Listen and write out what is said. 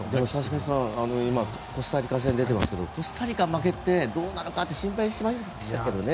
コスタリカ戦が今、出ていますけどコスタリカに負けてどうなのかと心配しましたけどね。